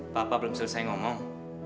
papa belum selesai ngomong